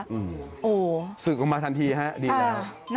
อืมสืบลงมาทันทีครับดีแล้ว